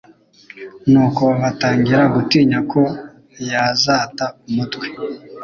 nuko batangira gutinya ko yazata umutwe'.